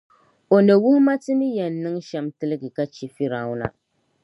O ni wuhi ma ti ni yεn niŋ shεm tilgi ka chε Fir’auna.